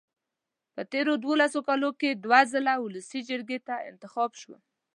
په تېرو دولسو کالو کې دوه ځله ولسي جرګې ته انتخاب شوم.